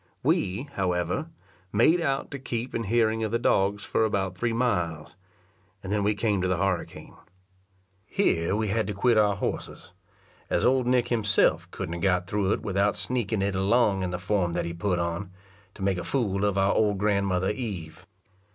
We, however, made out to keep in hearing of the dogs for about three miles, and then we come to the harricane. Here we had to quit our horses, as old Nick himself couldn't have got through it without sneaking it along in the form that he put on, to make a fool of our old grandmother Eve.